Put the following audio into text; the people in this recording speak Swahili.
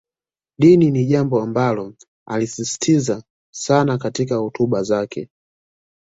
Dini ni jambo ambalo alisisitiza sana katika hotuba zake